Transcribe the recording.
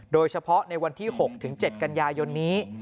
โดยเฉพาะในวันที่๖๗กันยายนนี้